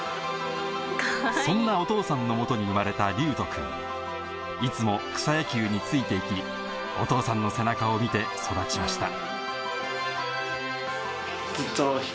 そんなお父さんの元に生まれた琉斗くんいつも草野球について行きお父さんの背中を見て育ちました